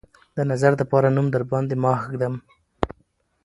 د نظر دپاره نوم درباندې ماه ږدم